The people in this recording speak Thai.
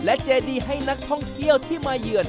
เจดีให้นักท่องเที่ยวที่มาเยือน